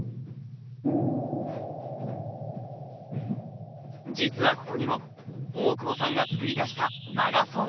実はここにも大久保さんが作り出した間が存在していたんです。